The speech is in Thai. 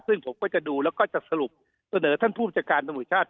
ซึ่งผมก็จะดูแล้วก็จะสรุปเสนอท่านผู้บัญชาการตำรวจชาติ